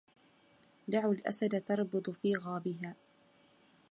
دعوا الأسد تربض في غابها